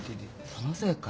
そのせいか。